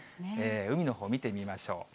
海のほう見てみましょう。